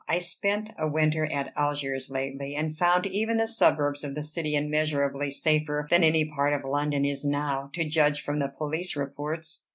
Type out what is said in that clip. I spent a winter at Algiers lately, and found even the suburbs of that city immeasurably safer than any part of London is now, to judge from the police reports.